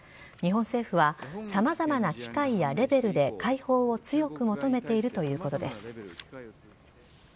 日本政府は様々な機会やレベルで解放を強く求めているということです。